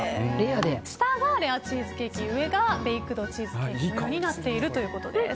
下がレアチーズケーキ上がベイクドチーズケーキになっているということです。